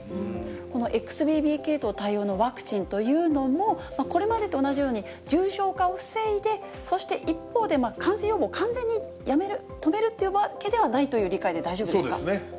このＸＢＢ系統対応のワクチンというのも、これまでと同じように重症化を防いで、そして一方で、感染予防、完全にやめる、止めるっていうわけではないという理解で大丈夫でそうですね。